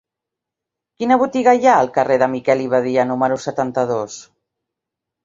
Quina botiga hi ha al carrer de Miquel i Badia número setanta-dos?